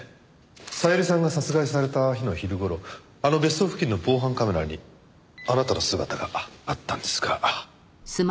小百合さんが殺害された日の昼頃あの別荘付近の防犯カメラにあなたの姿があったんですが。